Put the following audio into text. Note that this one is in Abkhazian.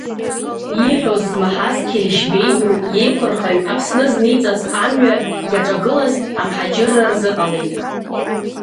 Ииҳәоз змаҳаз Қьелешьбеи ду иеиқәырхаҩ, Аԥсны зниҵаз амҩа иаҿагылаз, амҳаџьырра рзыҟалеит.